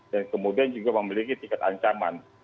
dan kemudian juga memiliki tiket ancaman